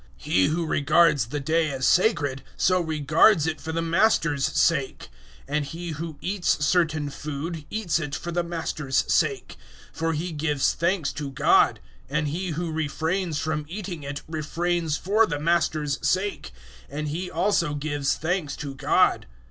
014:006 He who regards the day as sacred, so regards it for the Master's sake; and he who eats certain food eats it for the Master's sake, for he gives thanks to God; and he who refrains from eating it refrains for the Master's sake, and he also gives thanks to God.